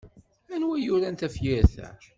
Anwa i yuran tafyirt a?